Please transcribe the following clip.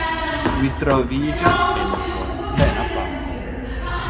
Mi troviĝas en florplena parko.